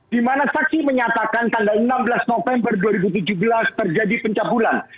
dimana saksi menyatakan tanggal enam belas november dua ribu tujuh belas terjadi pencapulan